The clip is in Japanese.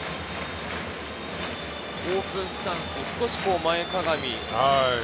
オープンスタンス、少し前かがみ。